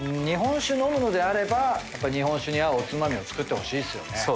日本酒飲むのであればやっぱり日本酒に合うおつまみを作ってほしいですよね。